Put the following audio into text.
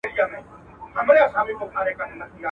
ماته مي قسمت له خپلي ژبي اور لیکلی دی!